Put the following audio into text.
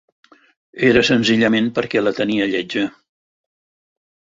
Era senzillament, perquè la tenia lletja.